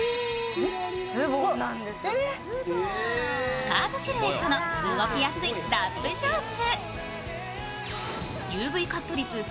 スカートシルエットの動きやすいラップショーツ。